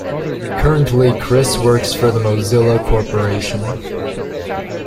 Currently Chris works for the Mozilla Corporation.